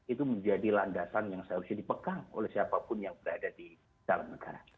itu menjadi landasan yang seharusnya dipegang oleh siapapun yang berada di dalam negara